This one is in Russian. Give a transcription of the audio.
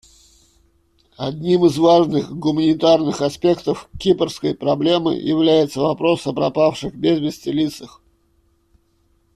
Одним из важных гуманитарных аспектов кипрской проблемы является вопрос о пропавших без вести лицах.